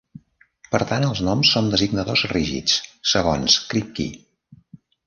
Per tant, els noms són "designadors rígids", segons Kripke.